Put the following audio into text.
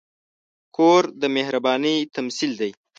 کور د مهربانۍ تمثیل دی.